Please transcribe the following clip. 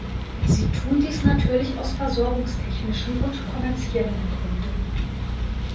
Sie tun dies natürlich aus versorgungstechnischen und kommerziellen Gründen.